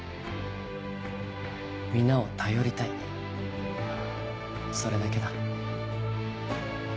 皆を頼りたいそれだけだ。